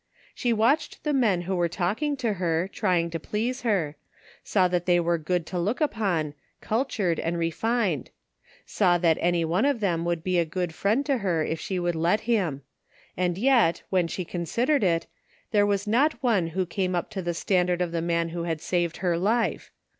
She watched the men who were talking to her, trying to please her; saw that they were good to look upon, cultured, and refined; saw that any one of them wotdd be a good friend to her if she would let him; and yet, when 199 THE FINDING OF JASPER HOLT she considered it, there was not one who came up to the standard of the man who had saved her life.